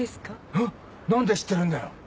「えっ何で知ってるんだよ」。